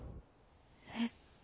えっ。